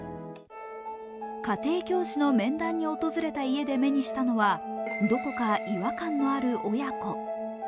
家庭教師の面談に訪れた家で目にしたのは、どこか違和感のある親子。